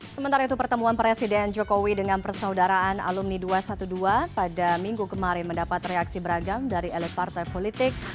sementara itu pertemuan presiden jokowi dengan persaudaraan alumni dua ratus dua belas pada minggu kemarin mendapat reaksi beragam dari elit partai politik